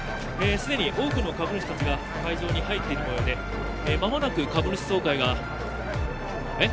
既に多くの株主達が会場に入っているもようで間もなく株主総会がえっ？